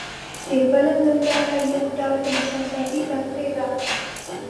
د فلم ننداره یو ډول احساساتي تفریح ده.